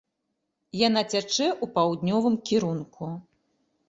Яна цячэ ў паўднёвым кірунку.